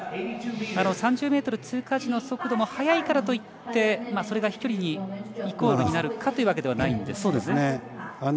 ３０ｍ通過時の速度も速いからといってそれが飛距離イコールになるというわけではないんですね。